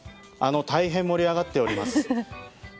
大変盛り上がっております。